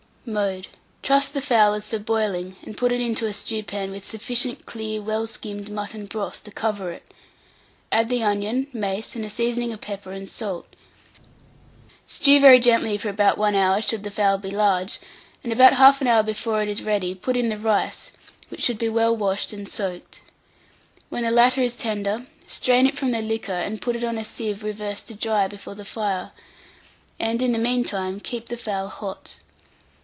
Mode. Truss the fowl as for boiling, and put it into a stewpan with sufficient clear well skimmed mutton broth to cover it; add the onion, mace, and a seasoning of pepper and salt; stew very gently for about 1 hour, should the fowl be large, and about 1/2 hour before it is ready put in the rice, which should be well washed and soaked. When the latter is tender, strain it from the liquor, and put it on a sieve reversed to dry before the fire, and, in the mean time, keep the fowl hot.